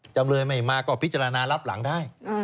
จำเลยไม่มาก็พิจารณารับหลังได้